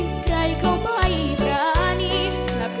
แต่วจากกลับมาท่าน้าที่รักอย่าช้านับสิสามเชย